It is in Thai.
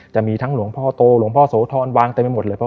จะมีทั้งหลวงพ่อโตหลวงพ่อโสธรวางเต็มไปหมดเลย